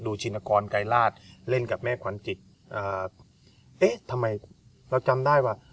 ชินกรไกรราชเล่นกับแม่ขวัญจิตเอ๊ะทำไมเราจำได้ว่า